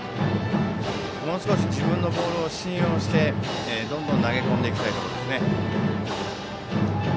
もう少し自分のボールを信用してどんどん投げ込んでいきたいところですね。